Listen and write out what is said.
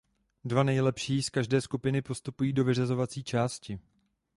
Dva nejlepší z každé skupiny postupují do vyřazovací části.